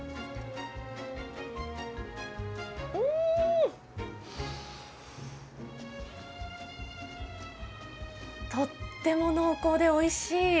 うん、とっても濃厚でおいしい。